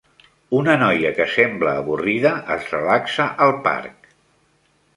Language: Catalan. Una noia que sembla avorrida es relaxa al parc.